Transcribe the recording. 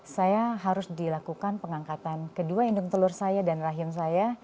saya harus dilakukan pengangkatan kedua induk telur saya dan rahim saya